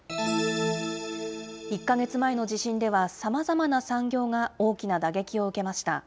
１か月前の地震では、さまざまな産業が大きな打撃を受けました。